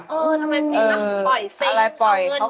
เออทำไมไม่นะปล่อยส่ง